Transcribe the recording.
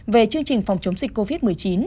về chương trình phòng chống dịch covid một mươi chín